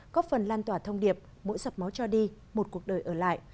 có phần lan tỏa thông điệp mỗi sập máu cho đi một cuộc đời ở lại